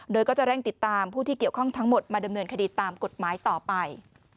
โดยก็จะเร่งติดตามผู้ที่เกี่ยวข้องทั้งหมดมาดำเนินคดีตามกฎหมายต่อไป